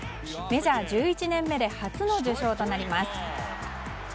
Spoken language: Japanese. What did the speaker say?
メジャー１１年目で初の受賞となります。